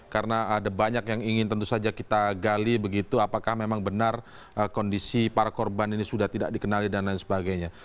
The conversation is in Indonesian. karena ada banyak yang ingin tentu saja kita gali begitu apakah memang benar kondisi para korban ini sudah tidak dikenali dan lain sebagainya